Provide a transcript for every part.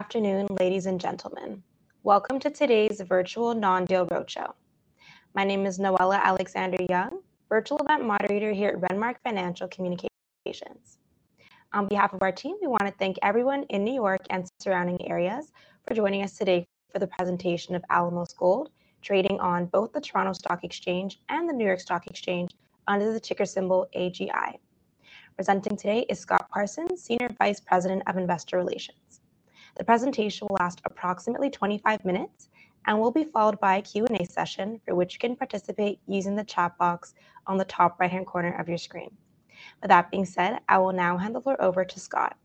Afternoon, ladies and gentlemen. Welcome to today's virtual non-deal roadshow. My name is Noella Alexander-Young, virtual event moderator here at Renmark Financial Communications. On behalf of our team, we want to thank everyone in New York and surrounding areas for joining us today for the presentation of Alamos Gold, trading on both the Toronto Stock Exchange and the New York Stock Exchange under the ticker symbol AGI. Presenting today is Scott Parsons, Senior Vice President of Investor Relations. The presentation will last approximately 25 minutes and will be followed by a Q&A session for which you can participate using the chat box on the top right-hand corner of your screen. With that being said, I will now hand the floor over to Scott.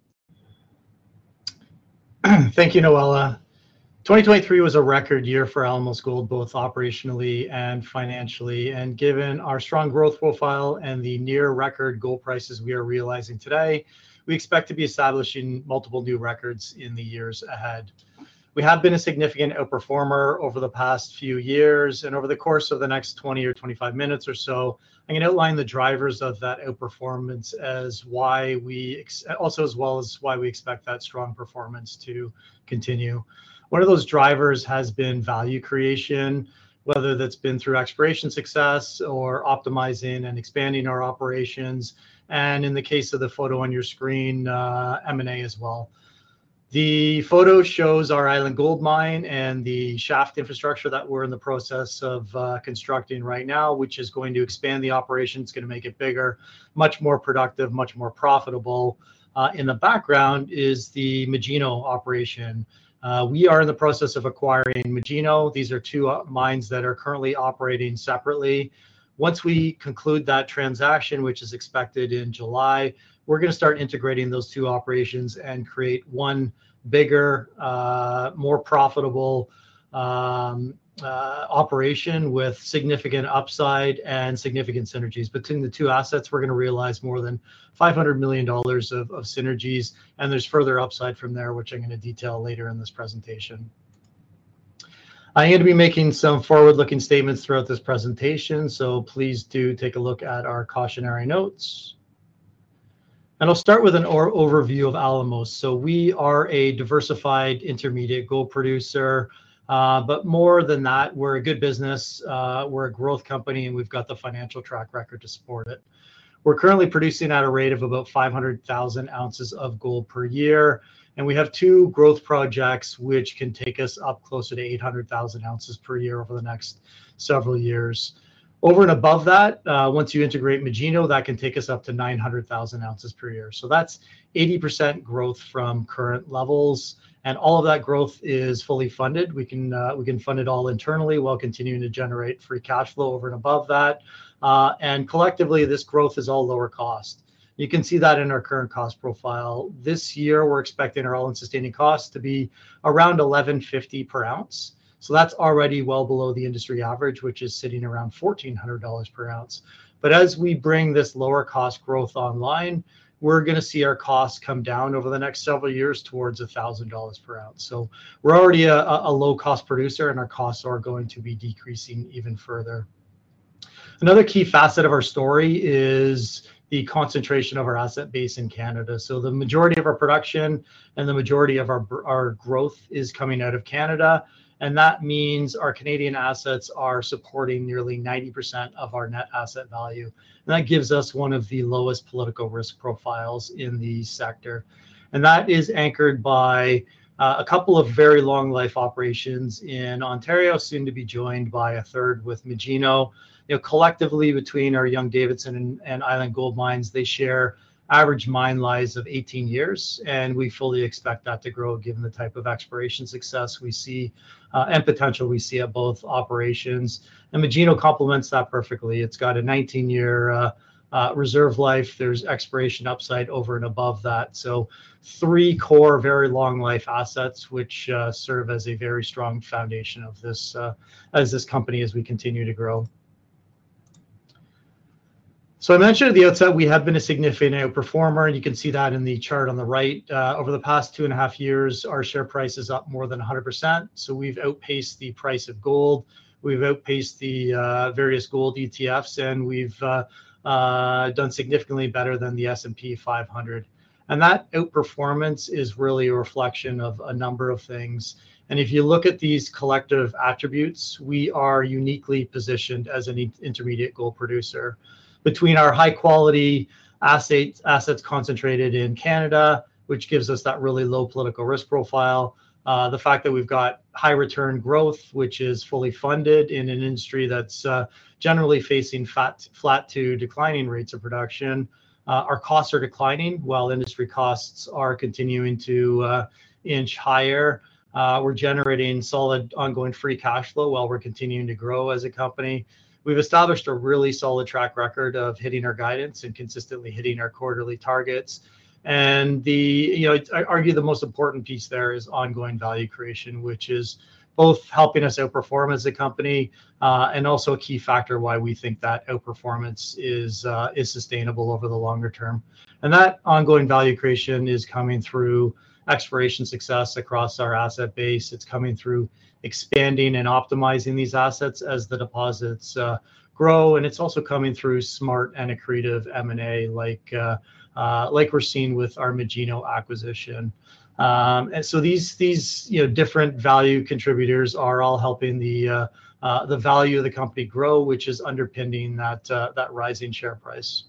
Thank you, Noella. 2023 was a record year for Alamos Gold, both operationally and financially. Given our strong growth profile and the near-record gold prices we are realizing today, we expect to be establishing multiple new records in the years ahead. We have been a significant outperformer over the past few years. Over the course of the next 20 or 25 minutes or so, I can outline the drivers of that outperformance as well as why we expect that strong performance to continue. One of those drivers has been value creation, whether that's been through exploration success or optimizing and expanding our operations. In the case of the photo on your screen, M&A as well. The photo shows our Island Gold Mine and the shaft infrastructure that we're in the process of constructing right now, which is going to expand the operations. It's going to make it bigger, much more productive, much more profitable. In the background is the Magino operation. We are in the process of acquiring Magino. These are two mines that are currently operating separately. Once we conclude that transaction, which is expected in July, we're going to start integrating those two operations and create one bigger, more profitable operation with significant upside and significant synergies. Between the two assets, we're going to realize more than $500 million of synergies. And there's further upside from there, which I'm going to detail later in this presentation. I am going to be making some forward-looking statements throughout this presentation, so please do take a look at our cautionary notes. And I'll start with an overview of Alamos. So we are a diversified intermediate gold producer. But more than that, we're a good business. We're a growth company, and we've got the financial track record to support it. We're currently producing at a rate of about 500,000 ounces of gold per year. We have two growth projects which can take us up closer to 800,000 ounces per year over the next several years. Over and above that, once you integrate Magino, that can take us up to 900,000 ounces per year. That's 80% growth from current levels. All of that growth is fully funded. We can fund it all internally while continuing to generate free cash flow over and above that. Collectively, this growth is all lower cost. You can see that in our current cost profile. This year, we're expecting our all-in sustaining costs to be around $1,150 per ounce. That's already well below the industry average, which is sitting around $1,400 per ounce. But as we bring this lower cost growth online, we're going to see our costs come down over the next several years towards $1,000 per ounce. So we're already a low-cost producer, and our costs are going to be decreasing even further. Another key facet of our story is the concentration of our asset base in Canada. So the majority of our production and the majority of our growth is coming out of Canada. And that means our Canadian assets are supporting nearly 90% of our net asset value. And that gives us one of the lowest political risk profiles in the sector. And that is anchored by a couple of very long-life operations in Ontario, soon to be joined by a third with Magino. Collectively, between our Young-Davidson and Island Gold Mine, they share average mine lives of 18 years. We fully expect that to grow given the type of exploration success and potential we see at both operations. Magino complements that perfectly. It's got a 19-year reserve life. There's exploration upside over and above that. Three core very long-life assets serve as a very strong foundation for this company as we continue to grow. I mentioned at the outset we have been a significant outperformer. You can see that in the chart on the right. Over the past 2.5 years, our share price is up more than 100%. We've outpaced the price of gold. We've outpaced the various gold ETFs. We've done significantly better than the S&P 500. That outperformance is really a reflection of a number of things. If you look at these collective attributes, we are uniquely positioned as an intermediate gold producer. Between our high-quality assets concentrated in Canada, which gives us that really low political risk profile, the fact that we've got high-return growth, which is fully funded in an industry that's generally facing flat to declining rates of production, our costs are declining while industry costs are continuing to inch higher. We're generating solid ongoing free cash flow while we're continuing to grow as a company. We've established a really solid track record of hitting our guidance and consistently hitting our quarterly targets. I argue the most important piece there is ongoing value creation, which is both helping us outperform as a company and also a key factor why we think that outperformance is sustainable over the longer term. That ongoing value creation is coming through exploration success across our asset base. It's coming through expanding and optimizing these assets as the deposits grow. It's also coming through smart and accretive M&A, like we're seeing with our Magino acquisition. So these different value contributors are all helping the value of the company grow, which is underpinning that rising share price.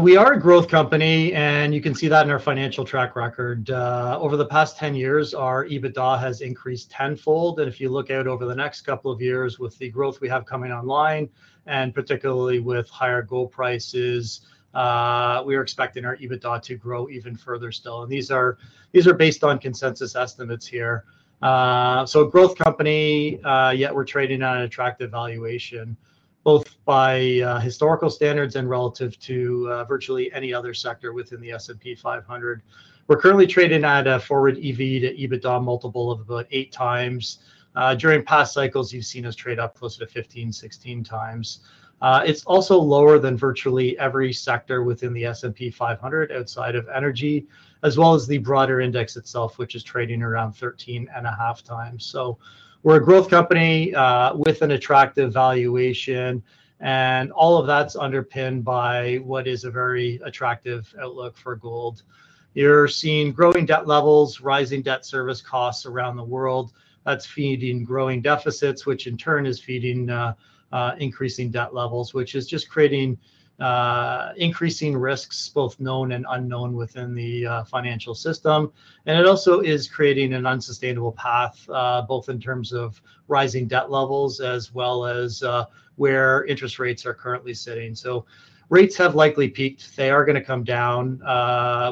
We are a growth company. You can see that in our financial track record. Over the past 10 years, our EBITDA has increased tenfold. If you look out over the next couple of years with the growth we have coming online, and particularly with higher gold prices, we are expecting our EBITDA to grow even further still. These are based on consensus estimates here. A growth company, yet we're trading at an attractive valuation, both by historical standards and relative to virtually any other sector within the S&P 500. We're currently trading at a forward EV/EBITDA multiple of about 8x. During past cycles, you've seen us trade up closer to 15x-16x. It's also lower than virtually every sector within the S&P 500 outside of energy, as well as the broader index itself, which is trading around 13.5x. So we're a growth company with an attractive valuation. And all of that's underpinned by what is a very attractive outlook for gold. You're seeing growing debt levels, rising debt service costs around the world. That's feeding growing deficits, which in turn is feeding increasing debt levels, which is just creating increasing risks, both known and unknown within the financial system. And it also is creating an unsustainable path, both in terms of rising debt levels as well as where interest rates are currently sitting. So rates have likely peaked. They are going to come down.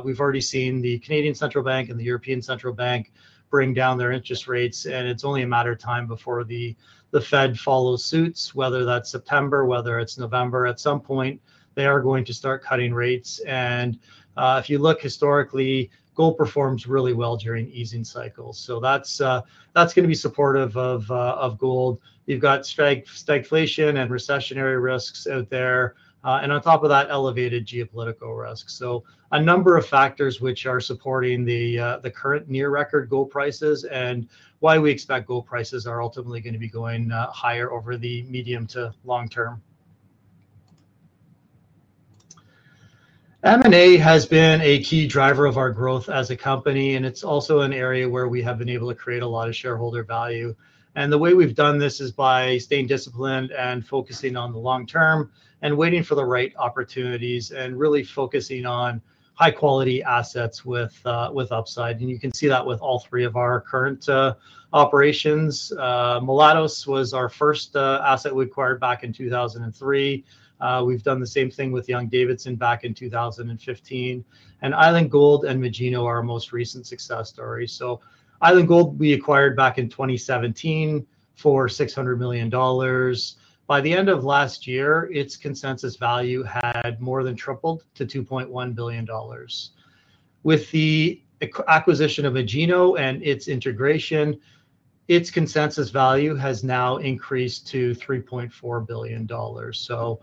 We've already seen the Bank of Canada and the European Central Bank bring down their interest rates. It's only a matter of time before the Fed follows suit, whether that's September, whether it's November. At some point, they are going to start cutting rates. If you look historically, gold performs really well during easing cycles. That's going to be supportive of gold. You've got stagflation and recessionary risks out there. On top of that, elevated geopolitical risks. A number of factors which are supporting the current near-record gold prices and why we expect gold prices are ultimately going to be going higher over the medium to long term. M&A has been a key driver of our growth as a company. It's also an area where we have been able to create a lot of shareholder value. The way we've done this is by staying disciplined and focusing on the long term and waiting for the right opportunities and really focusing on high-quality assets with upside. You can see that with all three of our current operations. Mulatos was our first asset we acquired back in 2003. We've done the same thing with Young-Davidson back in 2015. Island Gold and Magino are our most recent success stories. Island Gold, we acquired back in 2017 for $600 million. By the end of last year, its consensus value had more than tripled to $2.1 billion. With the acquisition of Magino and its integration, its consensus value has now increased to $3.4 billion. So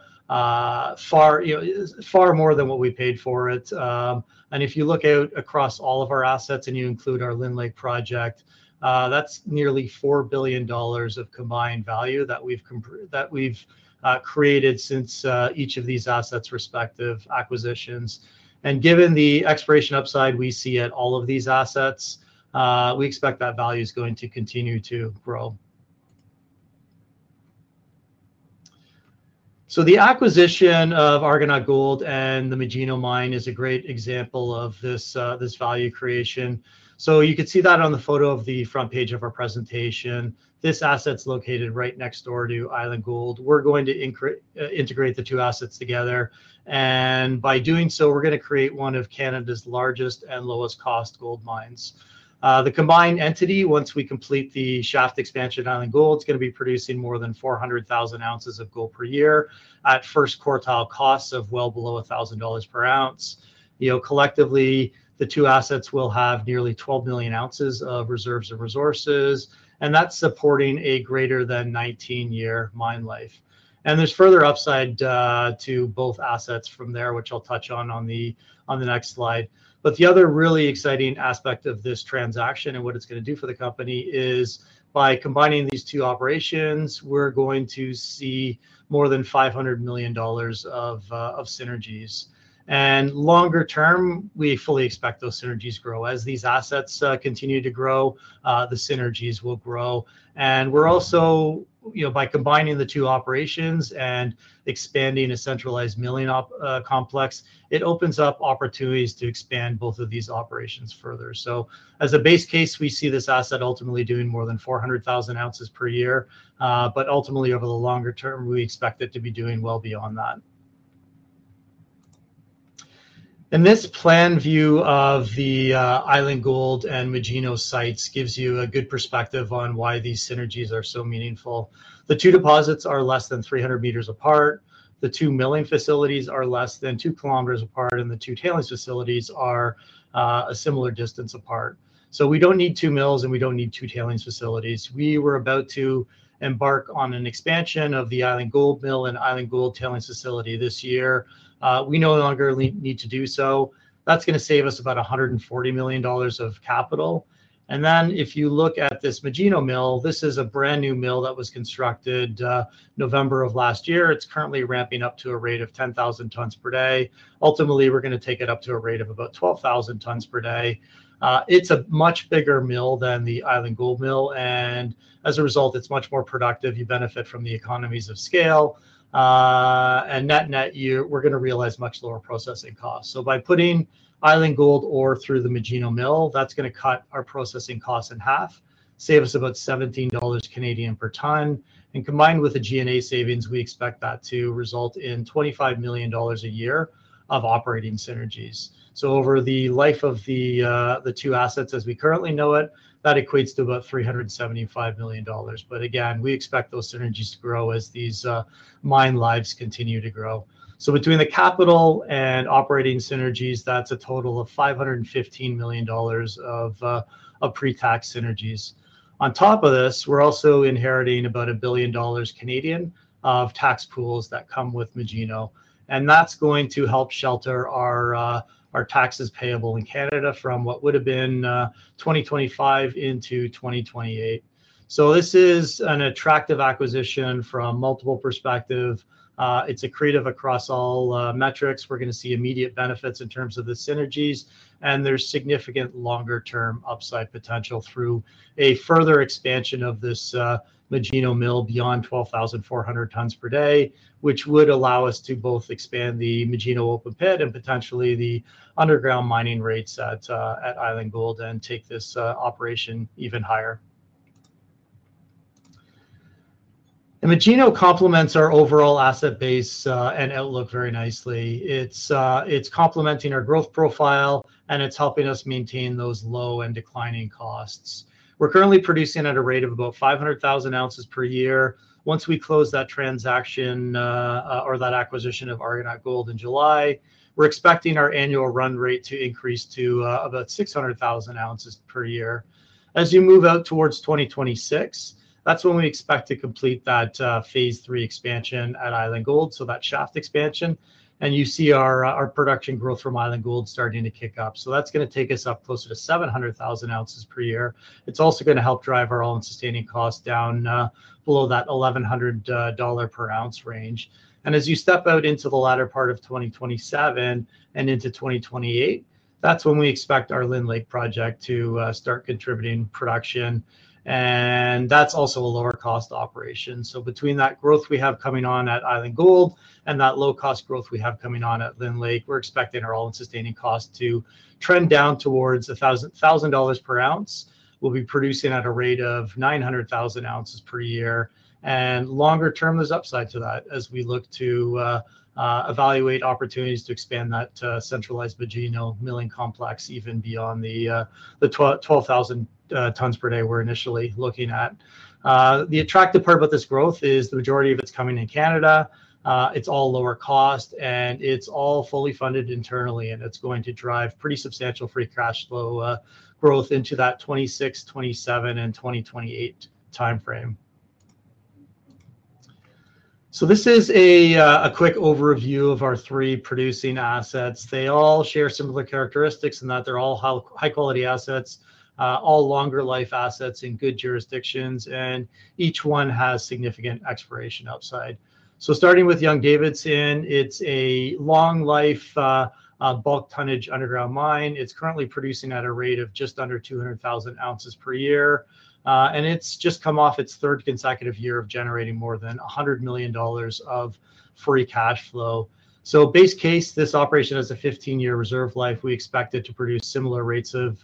far more than what we paid for it. If you look out across all of our assets and you include our Lynn Lake project, that's nearly $4 billion of combined value that we've created since each of these assets' respective acquisitions. Given the exploration upside we see at all of these assets, we expect that value is going to continue to grow. The acquisition of Argonaut Gold and the Magino mine is a great example of this value creation. You could see that on the photo of the front page of our presentation. This asset's located right next door to Island Gold. We're going to integrate the two assets together. And by doing so, we're going to create one of Canada's largest and lowest-cost gold mines. The combined entity, once we complete the shaft expansion at Island Gold, is going to be producing more than 400,000 ounces of gold per year at first quartile costs of well below $1,000 per ounce. Collectively, the two assets will have nearly 12 million ounces of reserves of resources. That's supporting a greater than 19-year mine life. There's further upside to both assets from there, which I'll touch on on the next slide. But the other really exciting aspect of this transaction and what it's going to do for the company is by combining these two operations, we're going to see more than $500 million of synergies. Longer term, we fully expect those synergies grow. As these assets continue to grow, the synergies will grow. We're also, by combining the two operations and expanding a centralized milling complex, it opens up opportunities to expand both of these operations further. So as a base case, we see this asset ultimately doing more than 400,000 ounces per year. But ultimately, over the longer term, we expect it to be doing well beyond that. And this plan view of the Island Gold and Magino sites gives you a good perspective on why these synergies are so meaningful. The two deposits are less than 300 meters apart. The two milling facilities are less than two kilometers apart. And the two tailings facilities are a similar distance apart. So we don't need two mills, and we don't need two tailings facilities. We were about to embark on an expansion of the Island Gold mill and Island Gold tailings facility this year. We no longer need to do so. That's going to save us about $140 million of capital. Then if you look at this Magino mill, this is a brand new mill that was constructed November of last year. It's currently ramping up to a rate of 10,000 tons per day. Ultimately, we're going to take it up to a rate of about 12,000 tons per day. It's a much bigger mill than the Island Gold mill. And as a result, it's much more productive. You benefit from the economies of scale. And net net, we're going to realize much lower processing costs. So by putting Island Gold ore through the Magino mill, that's going to cut our processing costs in half, save us about 17 Canadian dollars per ton. And combined with the G&A savings, we expect that to result in $25 million a year of operating synergies. So over the life of the two assets as we currently know it, that equates to about $375 million. But again, we expect those synergies to grow as these mine lives continue to grow. So between the capital and operating synergies, that's a total of $515 million of pre-tax synergies. On top of this, we're also inheriting about 1 billion dollars of tax pools that come with Magino. And that's going to help shelter our taxes payable in Canada from what would have been 2025 into 2028. So this is an attractive acquisition from multiple perspectives. It's accretive across all metrics. We're going to see immediate benefits in terms of the synergies. There's significant longer-term upside potential through a further expansion of this Magino mill beyond 12,400 tons per day, which would allow us to both expand the Magino open pit and potentially the underground mining rates at Island Gold and take this operation even higher. The Magino complements our overall asset base and outlook very nicely. It's complementing our growth profile, and it's helping us maintain those low and declining costs. We're currently producing at a rate of about 500,000 ounces per year. Once we close that transaction or that acquisition of Argonaut Gold in July, we're expecting our annual run rate to increase to about 600,000 ounces per year. As you move out towards 2026, that's when we expect to complete that phase three expansion at Island Gold, so that shaft expansion. You see our production growth from Island Gold starting to kick up. So that's going to take us up closer to 700,000 ounces per year. It's also going to help drive our all-in sustaining costs down below that $1,100 per ounce range. And as you step out into the latter part of 2027 and into 2028, that's when we expect our Lynn Lake project to start contributing production. And that's also a lower-cost operation. So between that growth we have coming on at Island Gold and that low-cost growth we have coming on at Lynn Lake, we're expecting our all-in sustaining costs to trend down towards $1,000 per ounce. We'll be producing at a rate of 900,000 ounces per year. And longer term, there's upside to that as we look to evaluate opportunities to expand that centralized Magino milling complex even beyond the 12,000 tons per day we're initially looking at. The attractive part about this growth is the majority of it's coming in Canada. It's all lower cost, and it's all fully funded internally. It's going to drive pretty substantial free cash flow growth into that 2026, 2027, and 2028 timeframe. This is a quick overview of our three producing assets. They all share similar characteristics in that they're all high-quality assets, all longer-life assets in good jurisdictions. Each one has significant exploration upside. Starting with Young-Davidson, it's a long-life bulk tonnage underground mine. It's currently producing at a rate of just under 200,000 ounces per year. It's just come off its third consecutive year of generating more than $100 million of free cash flow. Base case, this operation has a 15-year reserve life. We expect it to produce similar rates of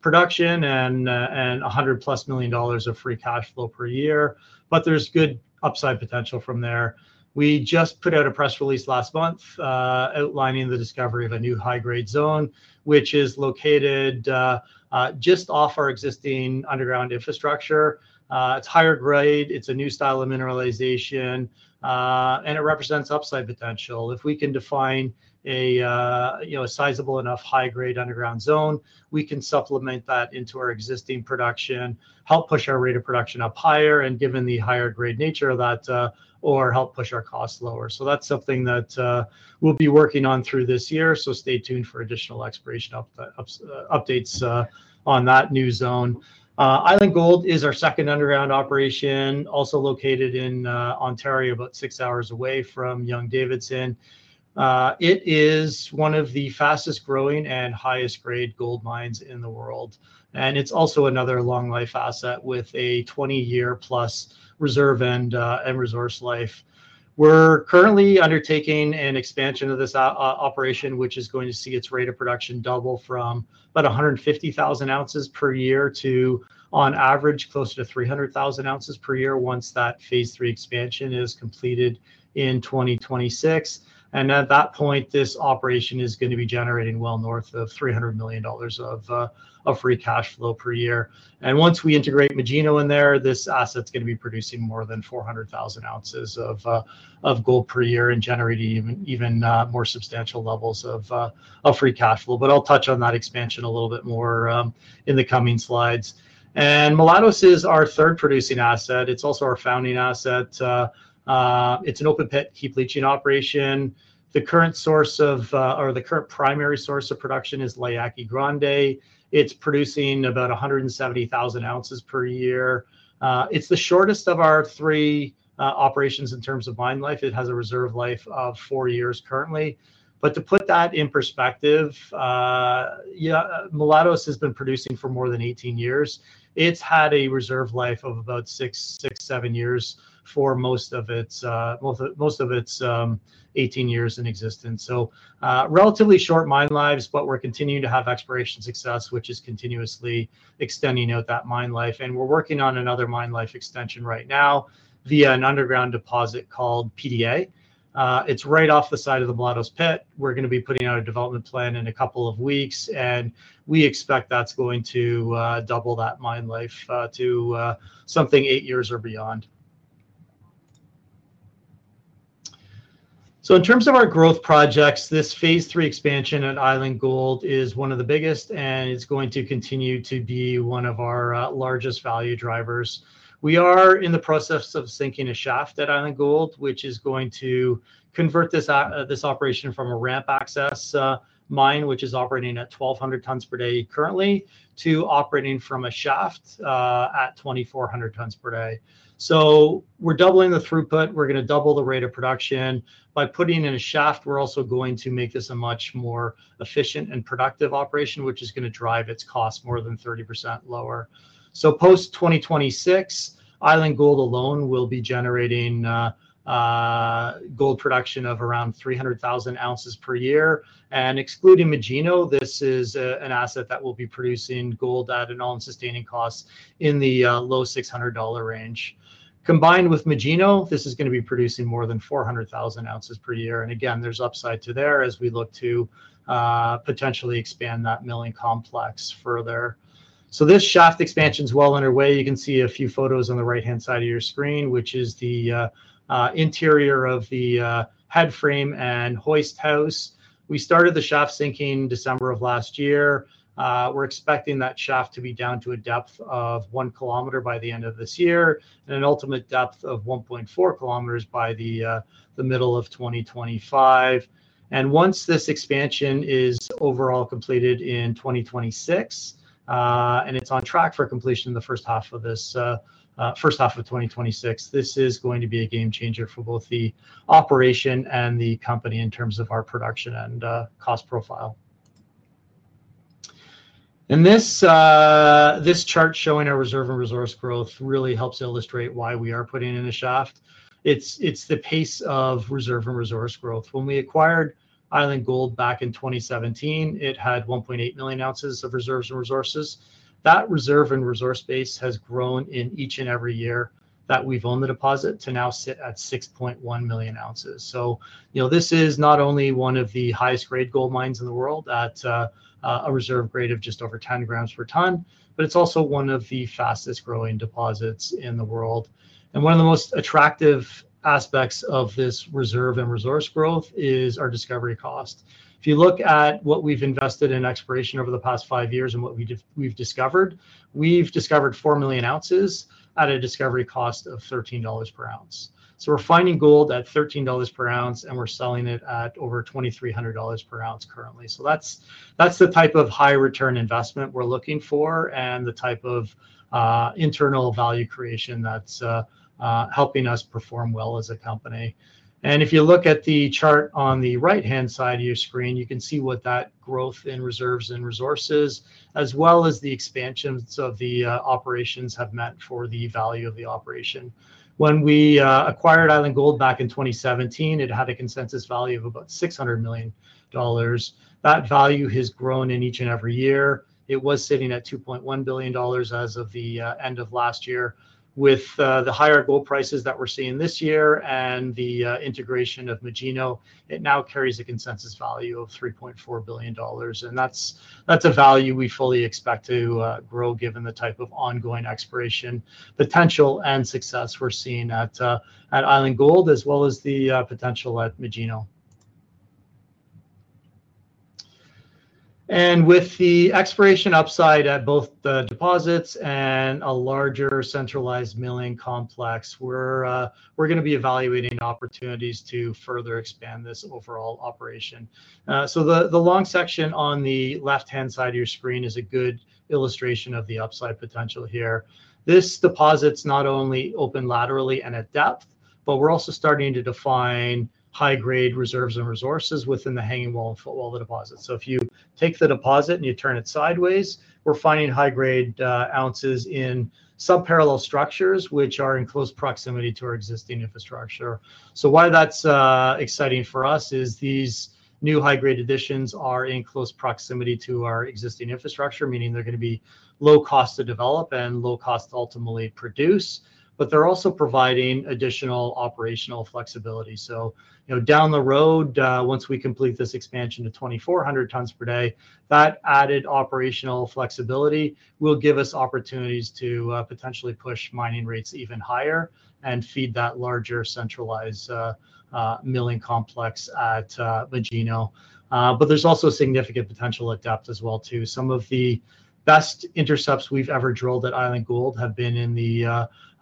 production and $100+ million of free cash flow per year. There's good upside potential from there. We just put out a press release last month outlining the discovery of a new high-grade zone, which is located just off our existing underground infrastructure. It's higher grade. It's a new style of mineralization. It represents upside potential. If we can define a sizable enough high-grade underground zone, we can supplement that into our existing production, help push our rate of production up higher, and given the higher-grade nature of that, or help push our costs lower. That's something that we'll be working on through this year. Stay tuned for additional exploration updates on that new zone. Island Gold is our second underground operation, also located in Ontario, about six hours away from Young-Davidson. It is one of the fastest-growing and highest-grade gold mines in the world. It's also another long-life asset with a 20-year-plus reserve and resource life. We're currently undertaking an expansion of this operation, which is going to see its rate of production double from about 150,000 ounces per year to, on average, close to 300,000 ounces per year once that phase three expansion is completed in 2026. At that point, this operation is going to be generating well north of $300 million of free cash flow per year. Once we integrate Magino in there, this asset's going to be producing more than 400,000 ounces of gold per year and generating even more substantial levels of free cash flow. But I'll touch on that expansion a little bit more in the coming slides. Mulatos is our third producing asset. It's also our founding asset. It's an open-pit heap leaching operation. The current source of, or the current primary source of production is La Yaqui Grande. It's producing about 170,000 ounces per year. It's the shortest of our three operations in terms of mine life. It has a reserve life of four years currently. But to put that in perspective, Mulatos has been producing for more than 18 years. It's had a reserve life of about six, seven years for most of its 18 years in existence. So relatively short mine lives, but we're continuing to have exploration success, which is continuously extending out that mine life. And we're working on another mine life extension right now via an underground deposit called PDA. It's right off the side of the Mulatos pit. We're going to be putting out a development plan in a couple of weeks. And we expect that's going to double that mine life to something eight years or beyond. So in terms of our growth projects, this phase three expansion at Island Gold is one of the biggest, and it's going to continue to be one of our largest value drivers. We are in the process of sinking a shaft at Island Gold, which is going to convert this operation from a ramp access mine, which is operating at 1,200 tons per day currently, to operating from a shaft at 2,400 tons per day. So we're doubling the throughput. We're going to double the rate of production. By putting in a shaft, we're also going to make this a much more efficient and productive operation, which is going to drive its cost more than 30% lower. So post-2026, Island Gold alone will be generating gold production of around 300,000 ounces per year. Excluding Magino, this is an asset that will be producing gold at an all-in sustaining cost in the low $600 range. Combined with Magino, this is going to be producing more than 400,000 ounces per year. Again, there's upside to there as we look to potentially expand that milling complex further. This shaft expansion is well underway. You can see a few photos on the right-hand side of your screen, which is the interior of the headframe and hoist house. We started the shaft sinking December of last year. We're expecting that shaft to be down to a depth of one kilometer by the end of this year and an ultimate depth of 1.4 kilometers by the middle of 2025. And once this expansion is overall completed in 2026, and it's on track for completion in the first half of this first half of 2026, this is going to be a game changer for both the operation and the company in terms of our production and cost profile. And this chart showing our reserve and resource growth really helps illustrate why we are putting in a shaft. It's the pace of reserve and resource growth. When we acquired Island Gold back in 2017, it had 1.8 million ounces of reserves and resources. That reserve and resource base has grown in each and every year that we've owned the deposit to now sit at 6.1 million ounces. This is not only one of the highest-grade gold mines in the world at a reserve grade of just over 10 g/t, but it's also one of the fastest-growing deposits in the world. One of the most attractive aspects of this reserve and resource growth is our discovery cost. If you look at what we've invested in exploration over the past 5 years and what we've discovered, we've discovered 4 million ounces at a discovery cost of $13 per ounce. So we're finding gold at $13 per ounce, and we're selling it at over $2,300 per ounce currently. So that's the type of high-return investment we're looking for and the type of internal value creation that's helping us perform well as a company. If you look at the chart on the right-hand side of your screen, you can see what that growth in reserves and resources, as well as the expansions of the operations, have meant for the value of the operation. When we acquired Island Gold back in 2017, it had a consensus value of about $600 million. That value has grown in each and every year. It was sitting at $2.1 billion as of the end of last year. With the higher gold prices that we're seeing this year and the integration of Magino, it now carries a consensus value of $3.4 billion. That's a value we fully expect to grow given the type of ongoing exploration potential and success we're seeing at Island Gold, as well as the potential at Magino. With the exploration upside at both the deposits and a larger centralized milling complex, we're going to be evaluating opportunities to further expand this overall operation. The long section on the left-hand side of your screen is a good illustration of the upside potential here. This deposit's not only open laterally and at depth, but we're also starting to define high-grade reserves and resources within the hanging wall and footwall of the deposits. If you take the deposit and you turn it sideways, we're finding high-grade ounces in subparallel structures, which are in close proximity to our existing infrastructure. Why that's exciting for us is these new high-grade additions are in close proximity to our existing infrastructure, meaning they're going to be low cost to develop and low cost to ultimately produce. But they're also providing additional operational flexibility. So down the road, once we complete this expansion to 2,400 tons per day, that added operational flexibility will give us opportunities to potentially push mining rates even higher and feed that larger centralized milling complex at Magino. But there's also significant potential at depth as well, too. Some of the best intercepts we've ever drilled at Island Gold have been in the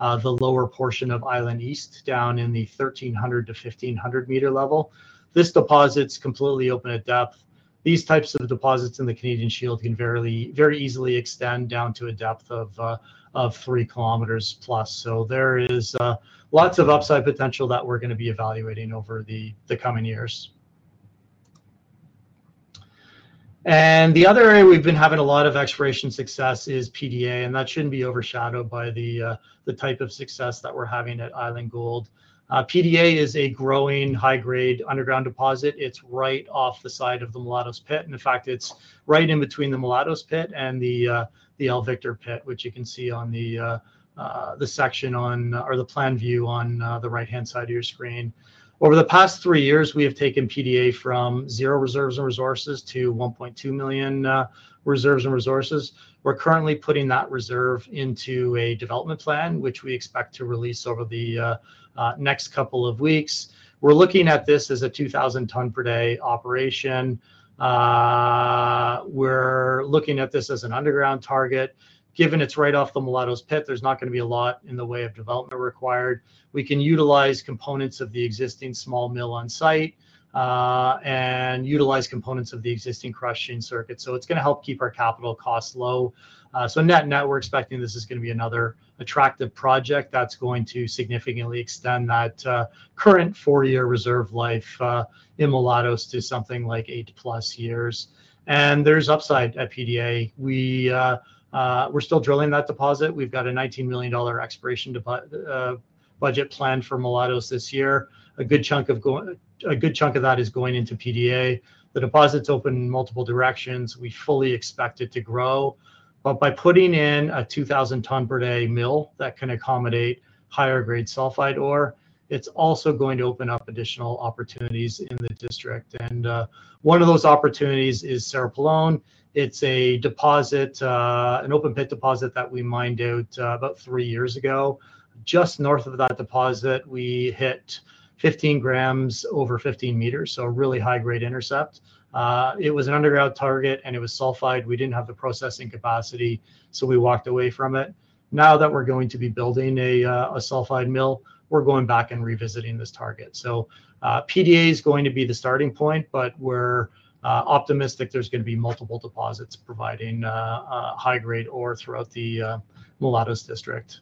lower portion of Island East, down in the 1,300-1,500 meter level. This deposit's completely open at depth. These types of deposits in the Canadian Shield can very easily extend down to a depth of 3 kilometers +. So there is lots of upside potential that we're going to be evaluating over the coming years. And the other area we've been having a lot of exploration success is PDA. And that shouldn't be overshadowed by the type of success that we're having at Island Gold. PDA is a growing high-grade underground deposit. It's right off the side of the Mulatos pit. In fact, it's right in between the Mulatos pit and the El Victor pit, which you can see on the section or the plan view on the right-hand side of your screen. Over the past three years, we have taken PDA from zero reserves and resources to 1.2 million reserves and resources. We're currently putting that reserve into a development plan, which we expect to release over the next couple of weeks. We're looking at this as a 2,000-ton-per-day operation. We're looking at this as an underground target. Given it's right off the Mulatos pit, there's not going to be a lot in the way of development required. We can utilize components of the existing small mill on site and utilize components of the existing crushing circuit. So it's going to help keep our capital costs low. So net net, we're expecting this is going to be another attractive project that's going to significantly extend that current 4-year reserve life in Mulatos to something like 8+ years. And there's upside at PDA. We're still drilling that deposit. We've got a $19 million exploration budget planned for Mulatos this year. A good chunk of that is going into PDA. The deposit's open in multiple directions. We fully expect it to grow. But by putting in a 2,000-ton-per-day mill that can accommodate higher-grade sulfide ore, it's also going to open up additional opportunities in the district. And one of those opportunities is Cerro Pelon. It's an open-pit deposit that we mined out about three years ago. Just north of that deposit, we hit 15 grams over 15 meters, so a really high-grade intercept. It was an underground target, and it was sulfide. We didn't have the processing capacity, so we walked away from it. Now that we're going to be building a sulfide mill, we're going back and revisiting this target. So PDA is going to be the starting point, but we're optimistic there's going to be multiple deposits providing high-grade ore throughout the Mulatos district.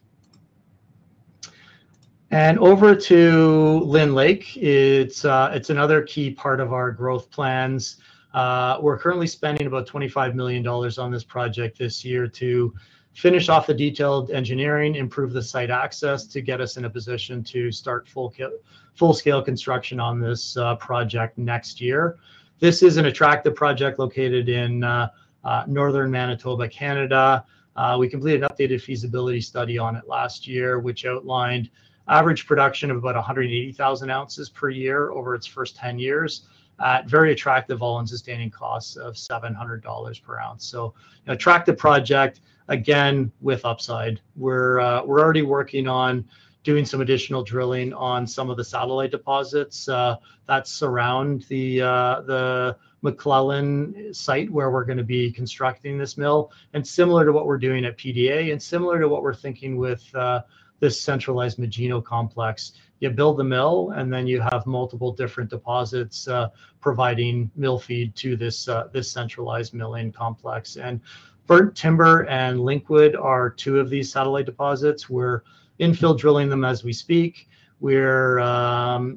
And over to Lynn Lake. It's another key part of our growth plans. We're currently spending about $25 million on this project this year to finish off the detailed engineering, improve the site access to get us in a position to start full-scale construction on this project next year. This is an attractive project located in northern Manitoba, Canada. We completed an updated feasibility study on it last year, which outlined average production of about 180,000 ounces per year over its first 10 years at very attractive all-in sustaining costs of $700 per ounce. So an attractive project, again, with upside. We're already working on doing some additional drilling on some of the satellite deposits that surround the MacLellan site where we're going to be constructing this mill. And similar to what we're doing at PDA and similar to what we're thinking with this centralized Magino complex, you build the mill, and then you have multiple different deposits providing mill feed to this centralized milling complex. And Burnt Timber and Linkwood are two of these satellite deposits. We're infill drilling them as we speak. We're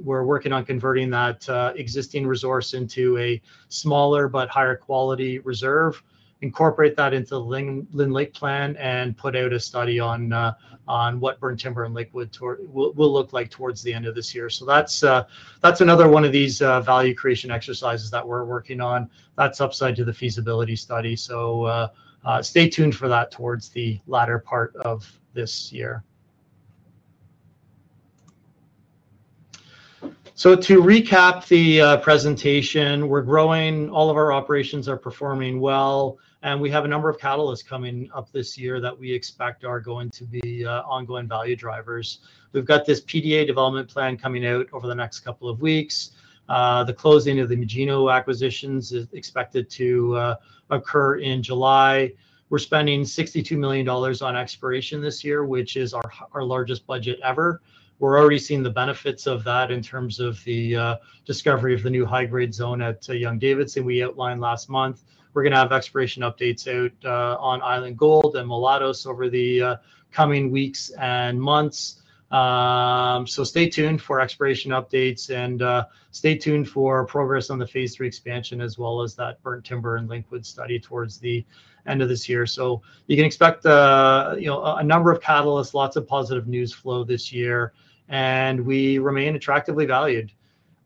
working on converting that existing resource into a smaller but higher quality reserve, incorporate that into the Lynn Lake plan, and put out a study on what Burnt Timber and Linkwood will look like towards the end of this year. So that's another one of these value creation exercises that we're working on. That's upside to the feasibility study. So stay tuned for that towards the latter part of this year. So to recap the presentation, we're growing. All of our operations are performing well. And we have a number of catalysts coming up this year that we expect are going to be ongoing value drivers. We've got this PDA development plan coming out over the next couple of weeks. The closing of the Magino acquisitions is expected to occur in July. We're spending $62 million on exploration this year, which is our largest budget ever. We're already seeing the benefits of that in terms of the discovery of the new high-grade zone at Young-Davidson we outlined last month. We're going to have exploration updates out on Island Gold and Mulatos over the coming weeks and months. So stay tuned for exploration updates and stay tuned for progress on the Phase 3 expansion as well as that Burnt Timber and Linkwood study towards the end of this year. So you can expect a number of catalysts, lots of positive news flow this year. And we remain attractively valued.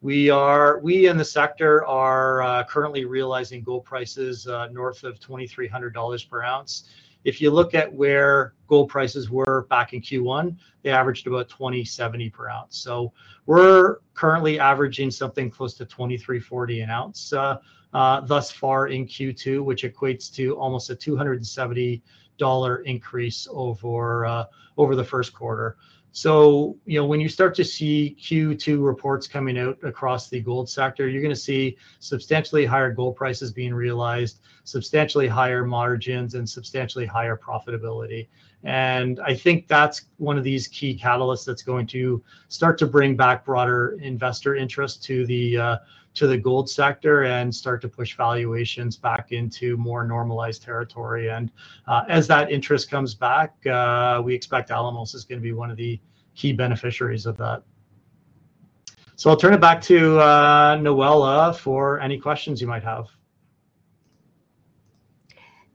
We in the sector are currently realizing gold prices north of $2,300 per ounce. If you look at where gold prices were back in Q1, they averaged about $2,070 per ounce. So we're currently averaging something close to $2,340 an ounce thus far in Q2, which equates to almost a $270 increase over the first quarter. So when you start to see Q2 reports coming out across the gold sector, you're going to see substantially higher gold prices being realized, substantially higher margins, and substantially higher profitability. And I think that's one of these key catalysts that's going to start to bring back broader investor interest to the gold sector and start to push valuations back into more normalized territory. And as that interest comes back, we expect Alamos is going to be one of the key beneficiaries of that. So I'll turn it back to Noella for any questions you might have.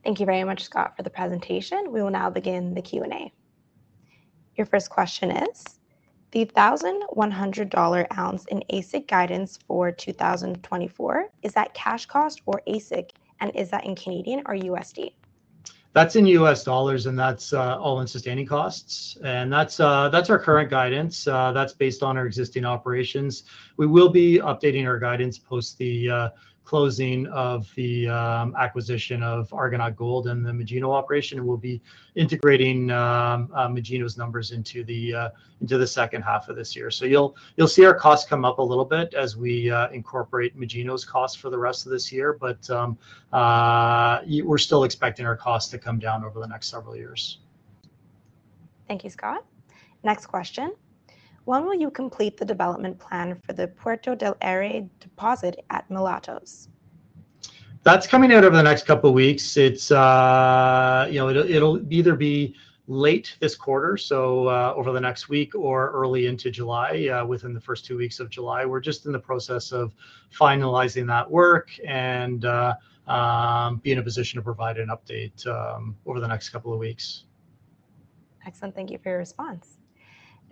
Thank you very much, Scott, for the presentation. We will now begin the Q&A. Your first question is, the $1,100 ounce in AISC guidance for 2024, is that cash cost or AISC, and is that in Canadian or USD? That's in U.S. dollars, and that's all-in sustaining costs. That's our current guidance. That's based on our existing operations. We will be updating our guidance post the closing of the acquisition of Argonaut Gold and the Magino operation. We'll be integrating Magino's numbers into the second half of this year. So you'll see our costs come up a little bit as we incorporate Magino's costs for the rest of this year. But we're still expecting our costs to come down over the next several years. Thank you, Scott. Next question. When will you complete the development plan for the Puerto Del Aire deposit at Mulatos? That's coming out over the next couple of weeks. It'll either be late this quarter, so over the next week, or early into July, within the first 2 weeks of July. We're just in the process of finalizing that work and being in a position to provide an update over the next couple of weeks. Excellent. Thank you for your response.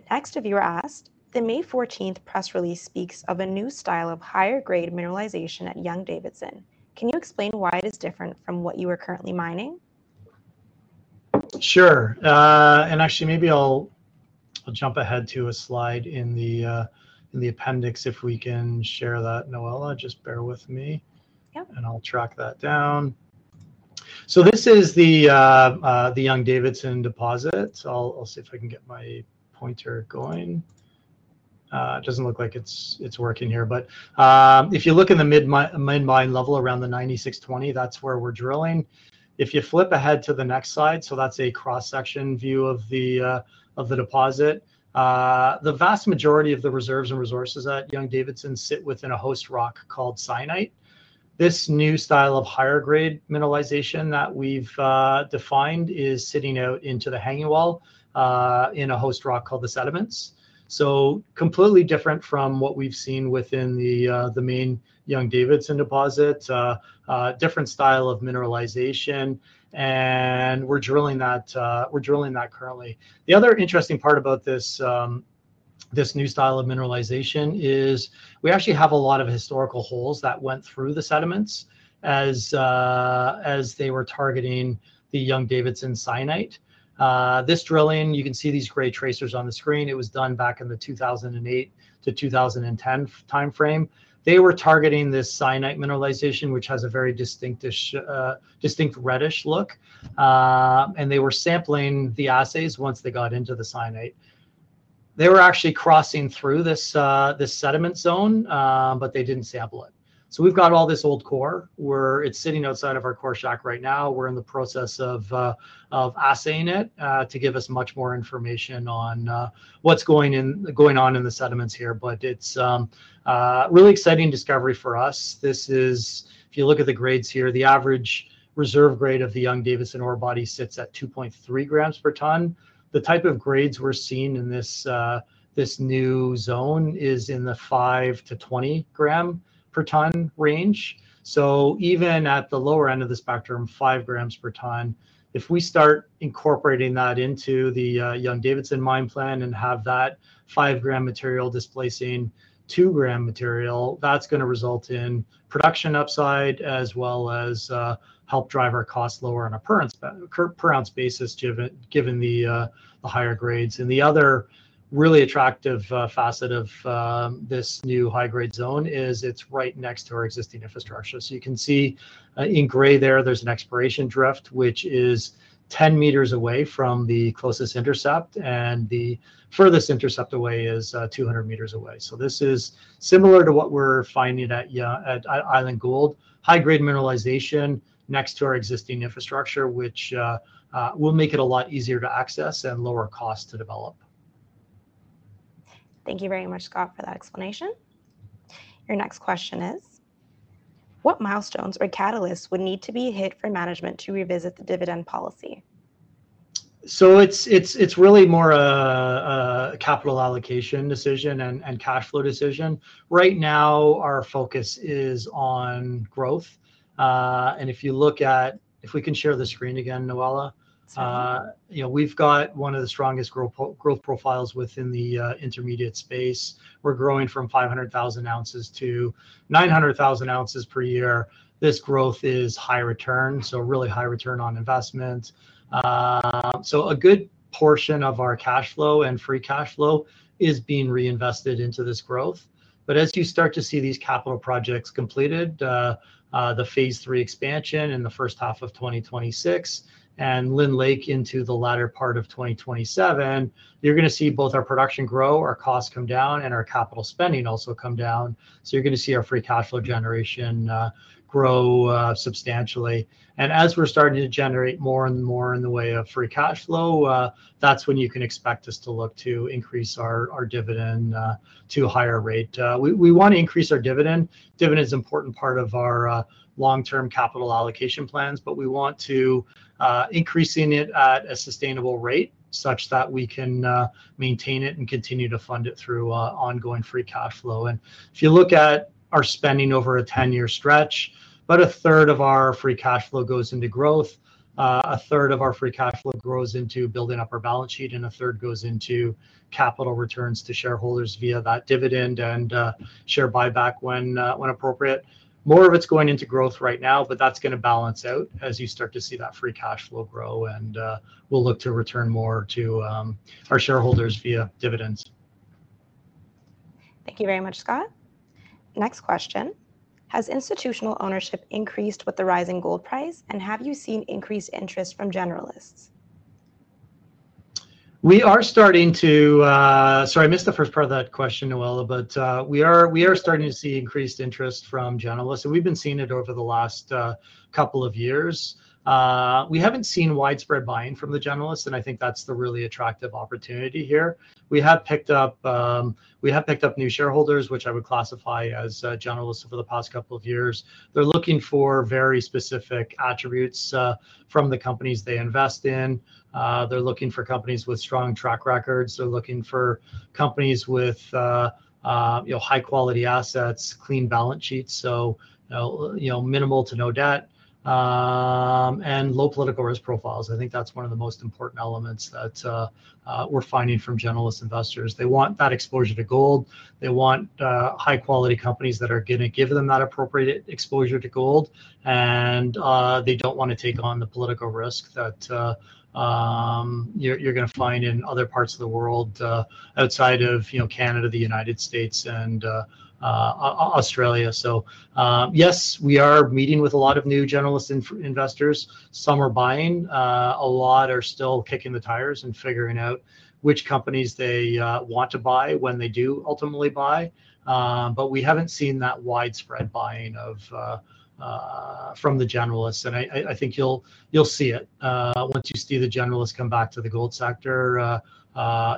Next, a viewer asked, the May 14th press release speaks of a new style of higher-grade mineralization at Young-Davidson. Can you explain why it is different from what you are currently mining? Sure. And actually, maybe I'll jump ahead to a slide in the appendix if we can share that. Noella, just bear with me. Yep. And I'll track that down. So this is the Young-Davidson deposit. I'll see if I can get my pointer going. It doesn't look like it's working here. But if you look in the mid-mine level around the 9620, that's where we're drilling. If you flip ahead to the next slide, so that's a cross-section view of the deposit, the vast majority of the reserves and resources at Young-Davidson sit within a host rock called syenite. This new style of higher-grade mineralization that we've defined is sitting out into the Hanging Wall in a host rock called the sediments. So completely different from what we've seen within the main Young-Davidson deposit, different style of mineralization. And we're drilling that currently. The other interesting part about this new style of mineralization is we actually have a lot of historical holes that went through the sediments as they were targeting the Young-Davidson syenite. This drilling, you can see these gray tracers on the screen. It was done back in the 2008-2010 timeframe. They were targeting this syenite mineralization, which has a very distinct reddish look. They were sampling the assays once they got into the syenite. They were actually crossing through this sediment zone, but they didn't sample it. We've got all this old core where it's sitting outside of our core shack right now. We're in the process of assaying it to give us much more information on what's going on in the sediments here. It's a really exciting discovery for us. If you look at the grades here, the average reserve grade of the Young-Davidson ore body sits at 2.3 grams per ton. The type of grades we're seeing in this new zone is in the 5-20 gram per ton range. So even at the lower end of the spectrum, 5 grams per ton, if we start incorporating that into the Young-Davidson mine plan and have that 5 gram material displacing 2 gram material, that's going to result in production upside as well as help drive our costs lower on a per ounce basis given the higher grades. And the other really attractive facet of this new high-grade zone is it's right next to our existing infrastructure. So you can see in gray there, there's an exploration drift, which is 10 meters away from the closest intercept. And the furthest intercept away is 200 meters away. This is similar to what we're finding at Island Gold, high-grade mineralization next to our existing infrastructure, which will make it a lot easier to access and lower cost to develop. Thank you very much, Scott, for that explanation. Your next question is, what milestones or catalysts would need to be hit for management to revisit the dividend policy? So it's really more a capital allocation decision and cash flow decision. Right now, our focus is on growth. And if you look at if we can share the screen again, Noella. Certainly. We've got one of the strongest growth profiles within the intermediate space. We're growing from 500,000 ounces to 900,000 ounces per year. This growth is high return, so really high return on investment. A good portion of our cash flow and free cash flow is being reinvested into this growth. But as you start to see these capital projects completed, the Phase 3 expansion in the first half of 2026, and Lynn Lake into the latter part of 2027, you're going to see both our production grow, our costs come down, and our capital spending also come down. You're going to see our free cash flow generation grow substantially. As we're starting to generate more and more in the way of free cash flow, that's when you can expect us to look to increase our dividend to a higher rate. We want to increase our dividend. Dividend is an important part of our long-term capital allocation plans, but we want to increase it at a sustainable rate such that we can maintain it and continue to fund it through ongoing free cash flow. If you look at our spending over a 10-year stretch, about a third of our free cash flow goes into growth, a third of our free cash flow grows into building up our balance sheet, and a third goes into capital returns to shareholders via that dividend and share buyback when appropriate. More of it's going into growth right now, but that's going to balance out as you start to see that free cash flow grow. We'll look to return more to our shareholders via dividends. Thank you very much, Scott. Next question. Has institutional ownership increased with the rising gold price, and have you seen increased interest from generalists? We are starting to, I missed the first part of that question, Noella, but we are starting to see increased interest from generalists. And we've been seeing it over the last couple of years. We haven't seen widespread buying from the generalists, and I think that's the really attractive opportunity here. We have picked up new shareholders, which I would classify as generalists over the past couple of years. They're looking for very specific attributes from the companies they invest in. They're looking for companies with strong track records. They're looking for companies with high-quality assets, clean balance sheets, so minimal to no debt, and low political risk profiles. I think that's one of the most important elements that we're finding from generalist investors. They want that exposure to gold. They want high-quality companies that are going to give them that appropriate exposure to gold. And they don't want to take on the political risk that you're going to find in other parts of the world outside of Canada, the United States, and Australia. So yes, we are meeting with a lot of new generalist investors. Some are buying. A lot are still kicking the tires and figuring out which companies they want to buy when they do ultimately buy. But we haven't seen that widespread buying from the generalists. And I think you'll see it. Once you see the generalists come back to the gold sector,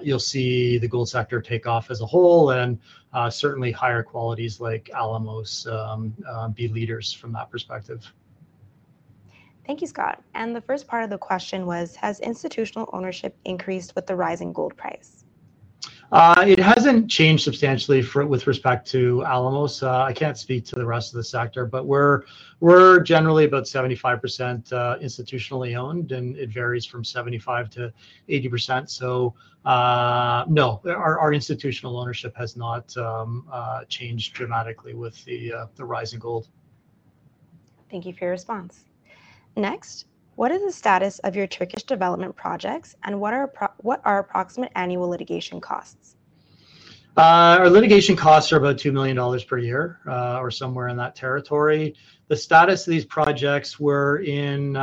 you'll see the gold sector take off as a whole and certainly higher qualities like Alamos be leaders from that perspective. Thank you, Scott. The first part of the question was, has institutional ownership increased with the rising gold price? It hasn't changed substantially with respect to Alamos. I can't speak to the rest of the sector, but we're generally about 75% institutionally owned, and it varies from 75%-80%. So no, our institutional ownership has not changed dramatically with the rising gold. Thank you for your response. Next, what is the status of your Turkish development projects, and what are approximate annual litigation costs? Our litigation costs are about $2 million per year or somewhere in that territory. The status of these projects was in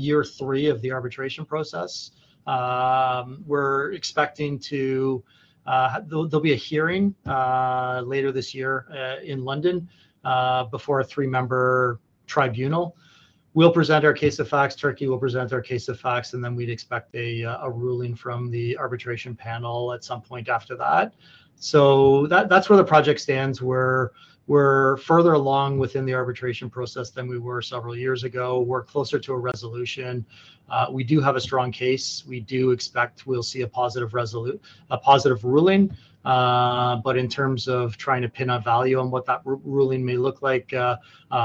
year three of the arbitration process. We're expecting there'll be a hearing later this year in London before a three-member tribunal. We'll present our case of facts. Turkey will present their case of facts, and then we'd expect a ruling from the arbitration panel at some point after that. So that's where the project stands. We're further along within the arbitration process than we were several years ago. We're closer to a resolution. We do have a strong case. We do expect we'll see a positive ruling. But in terms of trying to pin a value on what that ruling may look like,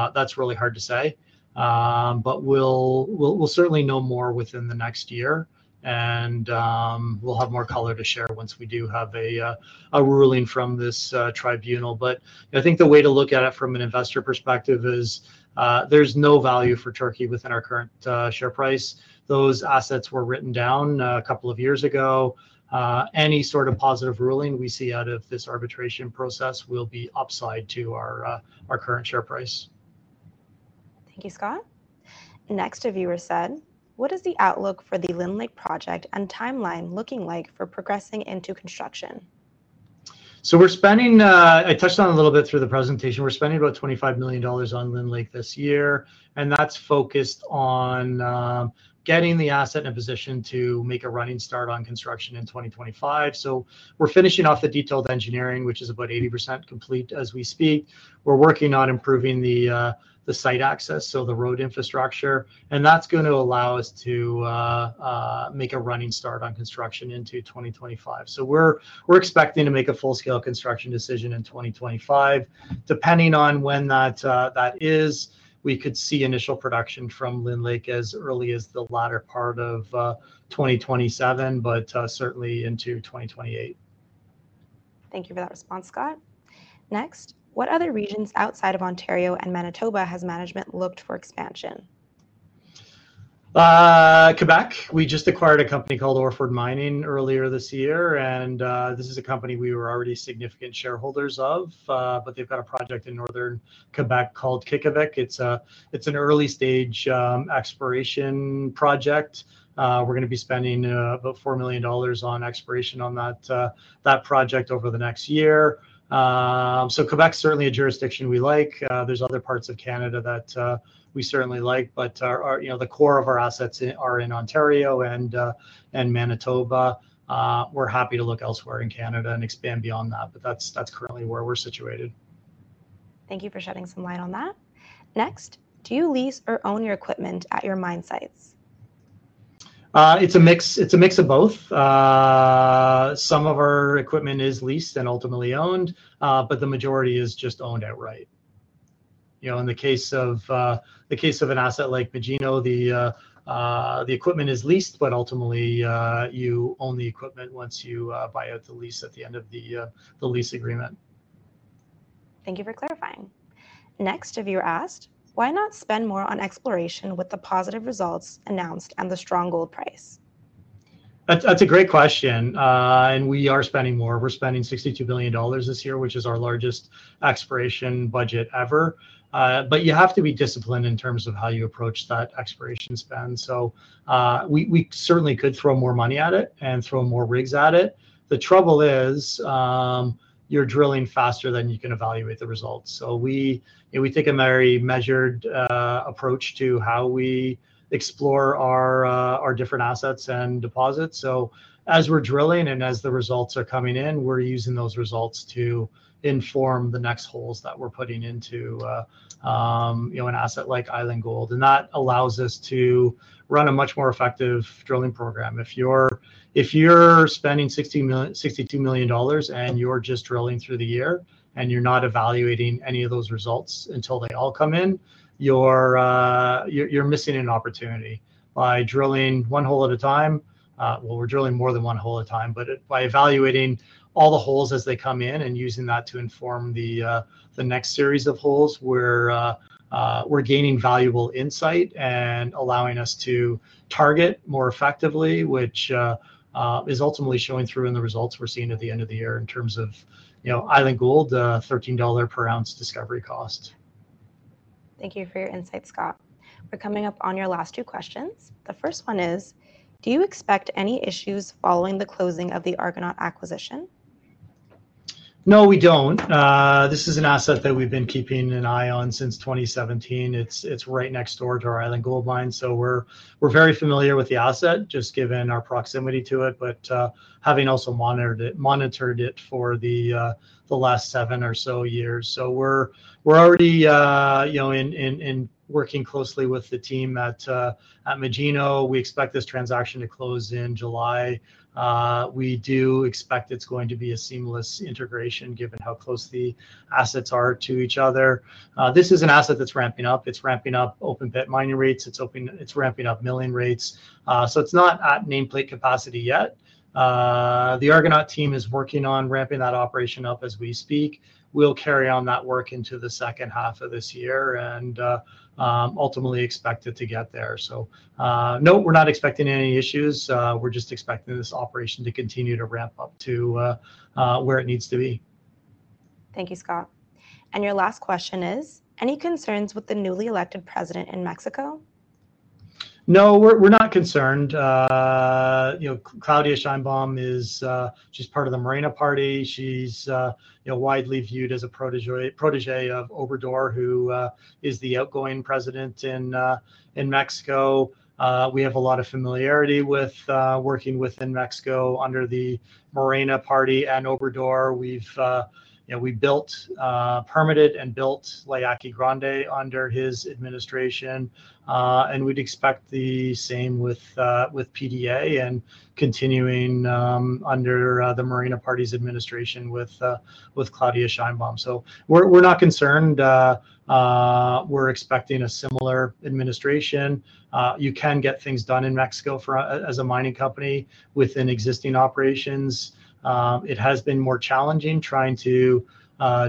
that's really hard to say. But we'll certainly know more within the next year, and we'll have more color to share once we do have a ruling from this tribunal. But I think the way to look at it from an investor perspective is there's no value for Turkey within our current share price. Those assets were written down a couple of years ago. Any sort of positive ruling we see out of this arbitration process will be upside to our current share price. Thank you, Scott. Next, a viewer said, what is the outlook for the Lynn Lake project and timeline looking like for progressing into construction? So we're spending. I touched on a little bit through the presentation. We're spending about $25 million on Lynn Lake this year. And that's focused on getting the asset in a position to make a running start on construction in 2025. So we're finishing off the detailed engineering, which is about 80% complete as we speak. We're working on improving the site access, so the road infrastructure. And that's going to allow us to make a running start on construction into 2025. So we're expecting to make a full-scale construction decision in 2025. Depending on when that is, we could see initial production from Lynn Lake as early as the latter part of 2027, but certainly into 2028. Thank you for that response, Scott. Next, what other regions outside of Ontario and Manitoba has management looked for expansion? Québec. We just acquired a company called Orford Mining earlier this year. This is a company we were already significant shareholders of, but they've got a project in northern Québec called Qiqavik. It's an early-stage exploration project. We're going to be spending about $4 million on exploration on that project over the next year. So Québec's certainly a jurisdiction we like. There's other parts of Canada that we certainly like, but the core of our assets are in Ontario and Manitoba. We're happy to look elsewhere in Canada and expand beyond that, but that's currently where we're situated. Thank you for shedding some light on that. Next, do you lease or own your equipment at your mine sites? It's a mix of both. Some of our equipment is leased and ultimately owned, but the majority is just owned outright. In the case of an asset like Magino, the equipment is leased, but ultimately, you own the equipment once you buy out the lease at the end of the lease agreement. Thank you for clarifying. Next, a viewer asked, why not spend more on exploration with the positive results announced and the strong gold price? That's a great question. We are spending more. We're spending $62 million this year, which is our largest exploration budget ever. But you have to be disciplined in terms of how you approach that exploration spend. So we certainly could throw more money at it and throw more rigs at it. The trouble is you're drilling faster than you can evaluate the results. So we take a very measured approach to how we explore our different assets and deposits. So as we're drilling and as the results are coming in, we're using those results to inform the next holes that we're putting into an asset like Island Gold. And that allows us to run a much more effective drilling program. If you're spending $62 million and you're just drilling through the year and you're not evaluating any of those results until they all come in, you're missing an opportunity. By drilling one hole at a time, well, we're drilling more than one hole at a time, but by evaluating all the holes as they come in and using that to inform the next series of holes, we're gaining valuable insight and allowing us to target more effectively, which is ultimately showing through in the results we're seeing at the end of the year in terms of Island Gold, $13 per ounce discovery cost. Thank you for your insight, Scott. We're coming up on your last two questions. The first one is, do you expect any issues following the closing of the Argonaut acquisition? No, we don't. This is an asset that we've been keeping an eye on since 2017. It's right next door to our Island Gold Mine. So we're very familiar with the asset just given our proximity to it, but having also monitored it for the last seven or so years. So we're already working closely with the team at Magino. We expect this transaction to close in July. We do expect it's going to be a seamless integration given how close the assets are to each other. This is an asset that's ramping up. It's ramping up open-pit mining rates. It's ramping up milling rates. So it's not at nameplate capacity yet. The Argonaut team is working on ramping that operation up as we speak. We'll carry on that work into the second half of this year and ultimately expect it to get there. So no, we're not expecting any issues. We're just expecting this operation to continue to ramp up to where it needs to be. Thank you, Scott. Your last question is, any concerns with the newly elected president in Mexico? No, we're not concerned. Claudia Sheinbaum is just part of the Morena Party. She's widely viewed as a protégé of Obrador, who is the outgoing president in Mexico. We have a lot of familiarity with working within Mexico under the Morena Party and Obrador. We built permitted and built La Yaqui Grande under his administration. We'd expect the same with PDA and continuing under the Morena Party's administration with Claudia Sheinbaum. So we're not concerned. We're expecting a similar administration. You can get things done in Mexico as a mining company within existing operations. It has been more challenging trying to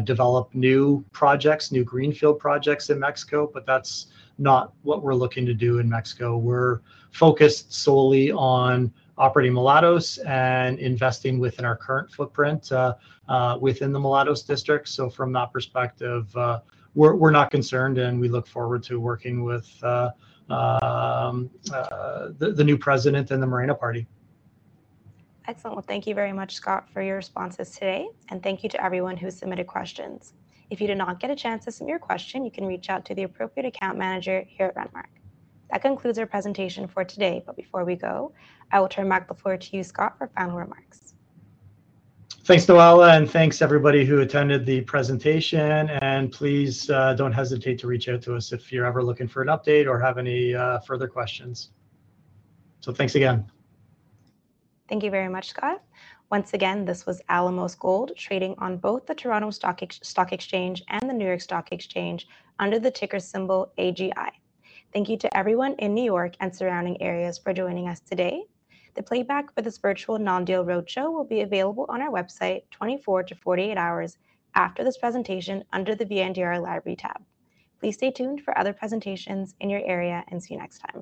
develop new projects, new greenfield projects in Mexico, but that's not what we're looking to do in Mexico. We're focused solely on operating Mulatos and investing within our current footprint within the Mulatos District. So from that perspective, we're not concerned, and we look forward to working with the new president and the Morena Party. Excellent. Well, thank you very much, Scott, for your responses today. And thank you to everyone who submitted questions. If you did not get a chance to submit your question, you can reach out to the appropriate account manager here at Renmark. That concludes our presentation for today. But before we go, I will turn the mic over to you, Scott, for final remarks. Thanks, Noella, and thanks everybody who attended the presentation. Please don't hesitate to reach out to us if you're ever looking for an update or have any further questions. Thanks again. Thank you very much, Scott. Once again, this was Alamos Gold trading on both the Toronto Stock Exchange and the New York Stock Exchange under the ticker symbol AGI. Thank you to everyone in New York and surrounding areas for joining us today. The playback for this virtual non-deal roadshow will be available on our website 24 to 48 hours after this presentation under the VNDR Library tab. Please stay tuned for other presentations in your area, and see you next time.